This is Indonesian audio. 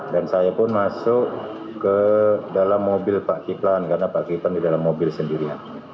dan saya pun masuk ke dalam mobil pak ki plan karena pak ki plan di dalam mobil sendiri